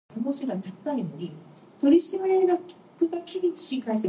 During Odysseus' stay on Scherie, Demodocus performs three narrative songs.